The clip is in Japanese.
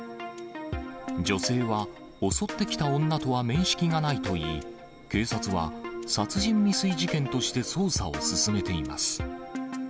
女性は、襲ってきた女とは面識がないといい、警察は殺人未遂事件として捜査を進めています。